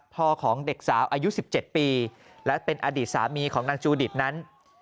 ของเด็กสาวอายุ๑๗ปีและเป็นอดีตสามีของนางจูดิตนั้น